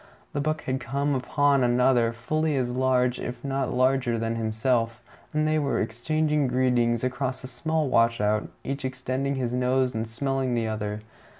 The buck had come upon another, fully as large if not larger than himself, and they were exchanging greetings across a small washout, each extending his nose and smelling the other.